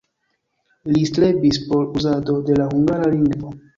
Li strebis por uzado de la hungara lingvo.